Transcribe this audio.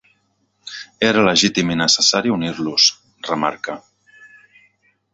Era legítim i necessari unir-los, remarca.